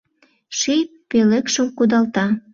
Ший пӧлекшым кудалта